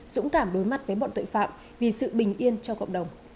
dũng cảm đối mặt với bọn tội phạm vì sự bình yên cho cộng đồng